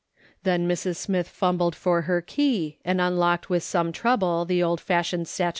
Then Mrs. Smith fumbled'for her key, and un locked with some trouble the old fasliioned satchel f2 68 MRS.